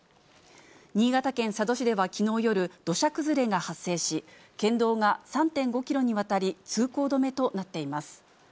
新潟県佐渡市ではきのう夜、土砂崩れが発生し、県道が３．５キロにわたり、通行止めとなっています。